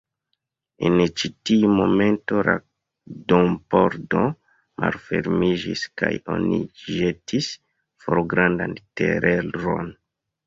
En ĉi tiu momento la dompordo malfermiĝis, kaj oni ĵetis for grandan teleron.